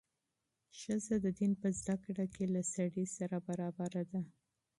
ښځه د دین په زده کړه کې له سړي سره برابره ده.